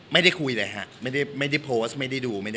ไม่ได้คุยเลยฮะไม่ได้โพสต์ไม่ได้ดู